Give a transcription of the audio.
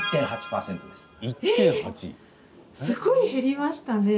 ええ、すごい減りましたね。